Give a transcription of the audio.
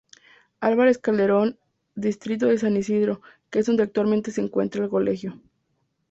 Álvarez Calderón, distrito de San Isidro, que es donde actualmente se encuentra el Colegio.